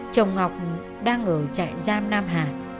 chồng ngọc đang ở trại giam nam hà